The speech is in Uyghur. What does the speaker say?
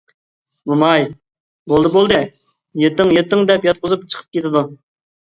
موماي:-بولدى بولدى، يېتىڭ يېتىڭ دەپ ياتقۇزۇپ چىقىپ كېتىدۇ.